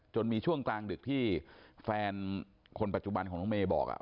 มีช่วงกลางดึกที่แฟนคนปัจจุบันของน้องเมย์บอก